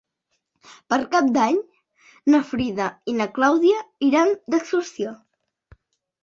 Per Cap d'Any na Frida i na Clàudia iran d'excursió.